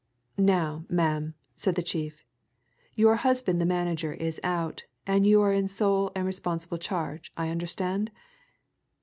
"Now, ma'am," said the chief, "your husband the manager is out, and you are in sole and responsible charge, I understand?